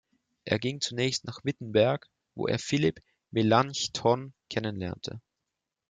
Er ging zunächst nach Wittenberg, wo er Philipp Melanchthon kennenlernte.